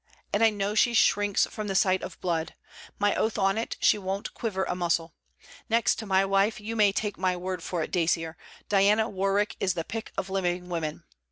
And I know she shrinks from the sight of blood. My oath on it, she won't quiver a muscle! Next to my wife, you may take my word for it, Dacier, Diana Warwick is the pick of living women.